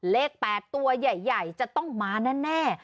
เลข๘ตัวใหญ่จะต้องมาแน่